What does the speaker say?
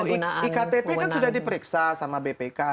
iktp kan sudah diperiksa sama bpk